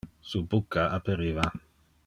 Su bucca aperiva.